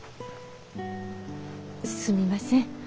すみません。